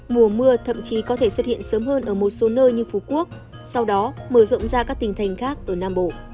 mùa mưa thậm chí có thể xuất hiện sớm hơn ở một số nơi như phú quốc sau đó mở rộng ra các tỉnh thành khác ở nam bộ